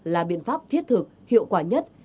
là biện pháp thiết thực hiệu quả nhất